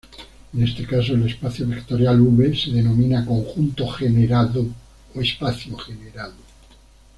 En este caso, el espacio vectorial "V" se denomina conjunto generado o espacio generado.